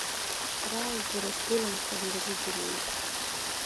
Рааигәара сгылан санырзыӡырҩы.